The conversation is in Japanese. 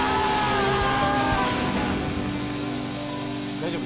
大丈夫？